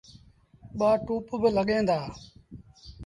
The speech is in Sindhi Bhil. ٻآ ٽوُپ بالڳيٚن دآ۔